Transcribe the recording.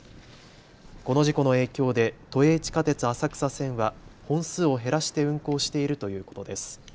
この事故の影響で都営地下鉄浅草線は本数を減らして運行しているということです。